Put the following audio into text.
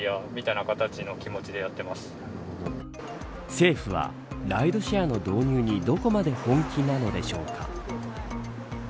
政府はライドシェアの導入にどこまで本気なのでしょうか。